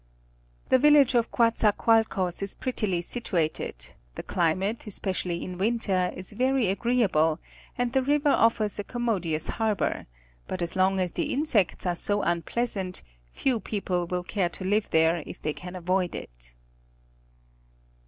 The village of Contzacoalcos is prettily situated, the climate, especially in winter, is very agreeable and the river offers a commodious harbor, but as long as the insects are so unpleasant, few people will care to live there if they can avoid it.